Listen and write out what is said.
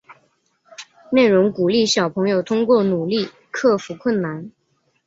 内容鼓励小朋友通过努力克服困难。